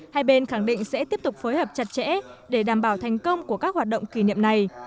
hai bên khẳng định sẽ tiếp tục phối hợp chặt chẽ để đảm bảo thành công của các hoạt động kỷ niệm này